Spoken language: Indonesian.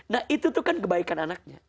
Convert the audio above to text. nah itu tuh kan kebaikan anaknya